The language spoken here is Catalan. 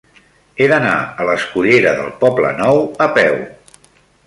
He d'anar a la escullera del Poblenou a peu.